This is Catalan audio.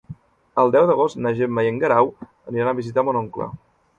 El deu d'agost na Gemma i en Guerau aniran a visitar mon oncle.